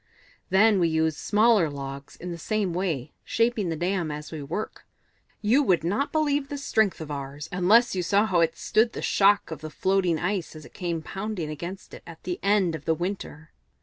"Then we use smaller logs in the same way, shaping the dam as we work. You would not believe the strength of ours, unless you saw how it stood the shock of the floating ice as it came pounding against it at the end of the winter.